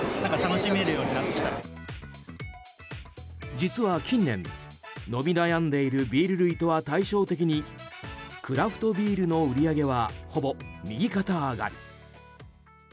実は近年、伸び悩んでいるビール類とは対照的にクラフトビールの売り上げはほぼ右肩上がり。